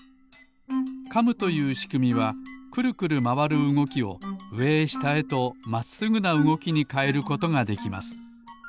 カムというしくみはくるくるまわるうごきをうえへしたへとまっすぐなうごきにかえることができます。